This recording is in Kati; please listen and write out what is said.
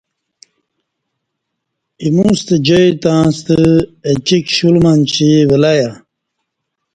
ایمُوستہ جائی تہ ستہ اہ چی کشول منچی ولہ یہ